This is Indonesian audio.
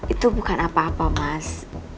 itu bukan apa apa mas